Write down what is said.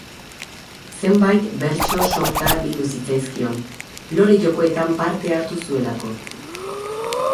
Zenbait bertso sorta bildu zitzaizkion, Lore Jokoetan parte hartu zuelako.